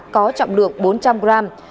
có trọng lượng bốn trăm linh gram